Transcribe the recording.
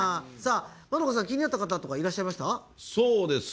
円さん、気になった方いらっしゃいましたか？